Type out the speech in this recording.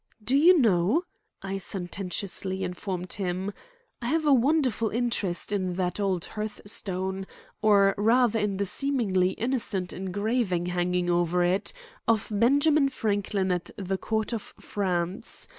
"Do you know," I sententiously informed him, "I have a wonderful interest in that old hearthstone; or rather in the seemingly innocent engraving hanging over it, of Benjamin Franklin at the Court of France.